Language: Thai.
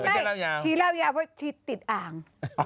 ไม่ชี้เล่ายาวเพราะชี้ติดอ่าง